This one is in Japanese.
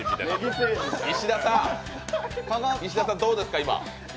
石田さん、どうですか、今？